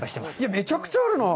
めちゃくちゃあるな。